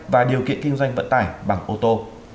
và điều kiện kinh doanh vận tải bằng ô tô